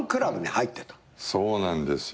そうなんですよ。